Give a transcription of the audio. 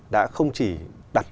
đã không chỉ đặt